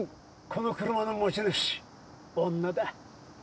この車の持ち主女だ。